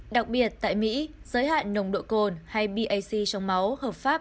đặc biệt tại mỹ giới hạn nồng độ cồn hay bac trong máu hợp pháp